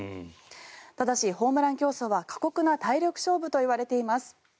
ただし、ホームラン競争は過酷な体力勝負といわれています。